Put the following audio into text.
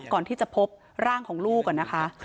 ก่อนที่จะพบร่างของลูกนะคะ